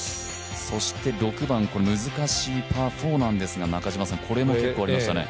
そして６番、難しいパー４なんですがこれも結構ありましたね。